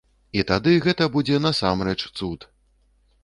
І тады гэта будзе насамрэч цуд.